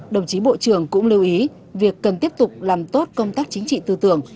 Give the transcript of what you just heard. đồng chí bộ trưởng cũng lưu ý việc cần tiếp tục làm tốt công tác chính trị tư tưởng